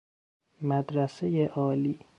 مدرسۀ عالی